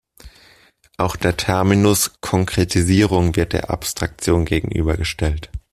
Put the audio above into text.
Auch der Terminus Konkretisierung wird der Abstraktion gegenübergestellt.